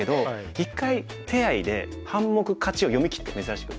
一回手合で半目勝ちを読みきって珍しく。